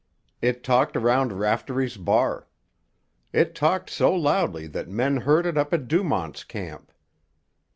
It talked around Raftery's bar. It talked so loudly that men heard it up at Dumont's Camp.